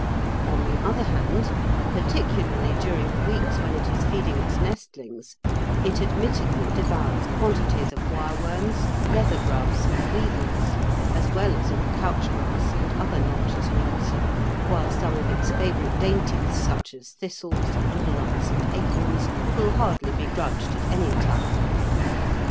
On the other hand, particularly during the weeks when it is feeding its nestlings, it admittedly devours quantities of wireworms, leathergrubs, and weevils, as well as of couch grass and other noxious weeds, while some of its favourite dainties, such as thistles, walnuts, and acorns, will hardly be grudged at any time.